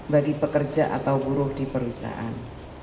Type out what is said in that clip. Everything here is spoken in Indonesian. bagi pekerja atau buruh di perusahaan